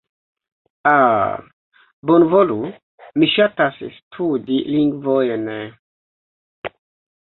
Ah... Bonvolu, mi ŝatas studi lingvojn...